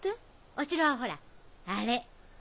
お城はほらあれ。